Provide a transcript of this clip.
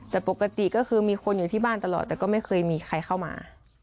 แต่ปกติก็คือมีคนอยู่ที่บ้านตลอดแต่ก็ไม่เคยมีใครเข้ามา